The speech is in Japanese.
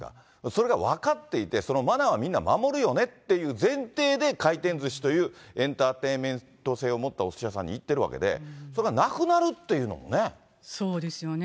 それが分かっていて、そのマナーをみんな守るよねっていう前提で回転ずしというエンターテインメント性を持ったおすし屋さんに行ってるわけで、それがそうですよね。